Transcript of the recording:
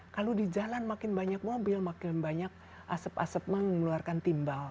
kalau di jalan makin banyak mobil makin banyak asap asap mengeluarkan timbal